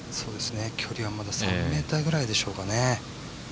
距離はまだ３ｍぐらいでしょうかね。